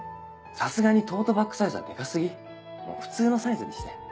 さすがにトートバッグサイズはデカ過ぎ普通のサイズにして。